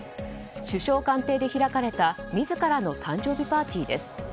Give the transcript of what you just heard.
首相官邸で開かれた自らの誕生日パーティーです。